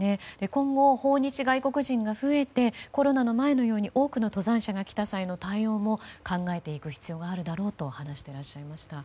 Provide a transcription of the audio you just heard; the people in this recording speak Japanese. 今後、訪日外国人が増えてコロナの前のように多くの登山者が来た際の対応も考えていく必要だあるだろうと話していらっしゃいました。